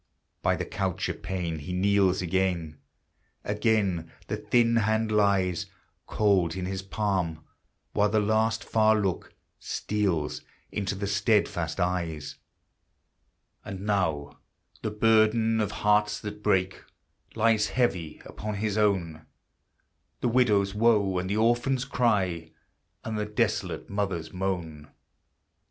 By the couch of pain he kneels again; Again, the thin hand lies Cold in his palm, while the last far look Steals into the steadfast eyes; And now the burden of hearts that break Lies heavy upon his own The widow's woe and the orphan's cry And the desolate mother's moan.